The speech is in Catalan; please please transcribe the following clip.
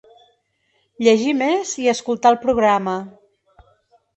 Llegir més i escoltar el programa ….